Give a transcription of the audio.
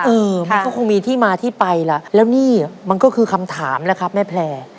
เออมันก็คงมีที่มาที่ไปล่ะแล้วนี่มันก็คือคำถามนะครับแม่แพร่